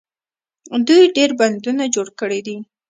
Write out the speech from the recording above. دوی ډیر بندونه جوړ کړي دي.